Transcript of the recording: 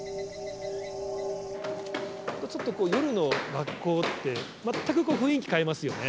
ちょっとこう夜の学校って全く雰囲気変わりますよね。